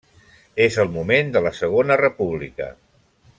És el moment de la Segona República.